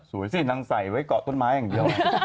สวยสิน้ำสายไว้เกาะต้นไม้